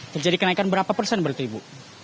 terjadi kenaikan berapa persen berarti ibu